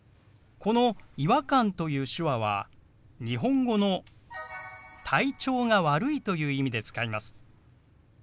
この「違和感」という手話は日本語の「体調が悪い」という意味で使います。